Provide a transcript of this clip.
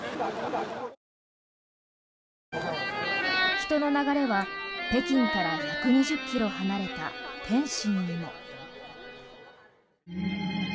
人の流れは北京から１２０ｋｍ離れた天津でも。